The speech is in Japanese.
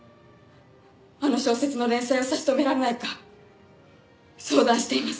あの小説の連載を差し止められないか相談しています。